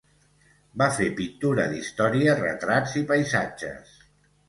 Va fer pintura d'història, retrats i paisatges.